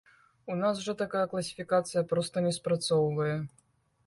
У нас жа такая класіфікацыя проста не спрацоўвае.